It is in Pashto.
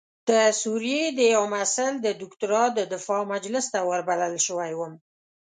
د سوریې د یوه محصل د دکتورا د دفاع مجلس ته وربلل شوی وم.